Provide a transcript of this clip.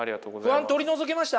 不安取り除けました？